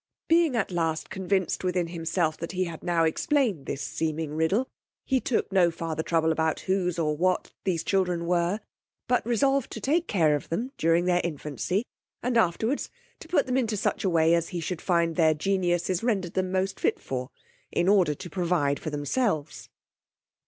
Being at last convinced within himself that he had now explained this seeming riddle, he took no farther trouble about whose, or what these children were, but resolved to take care of them during their infancy, and afterwards to put them into such a way as he should find their genius's rendered them most fit for, in order to provide for themselves.